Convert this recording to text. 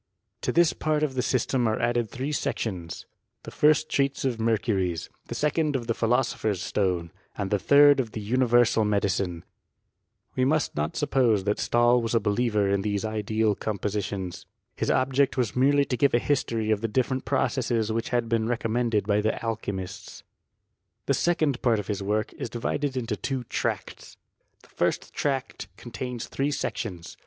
To this part of the system are added three sections* The first treats of mercuries, the second of the philoso* pher's stone, and the third of the universal medicine* We must not suppose that Stahl was a believer in these ideal compositions; his object is merely to give a history of the different processes which had been re » commended by the alchymists. The second part of his work is divided into two tracts. The first tract contains three sections.